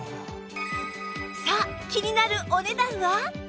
さあ気になるお値段は？